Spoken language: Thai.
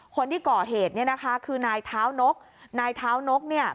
คนที่ก่อเหตุเนี่ยนะคะคือนายเท้านกนายเท้านกเนี่ย